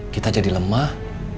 kita jadi lemah